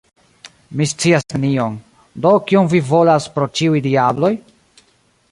Mi scias nenion; do kion vi volas, pro ĉiuj diabloj?